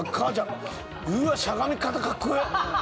うわあしゃがみ方かっこええ！